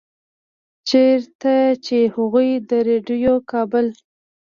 چرته چې هغوي د ريډيؤ کابل